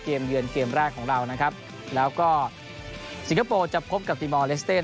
เยือนเกมแรกของเรานะครับแล้วก็สิงคโปร์จะพบกับตีมอลเลสเต้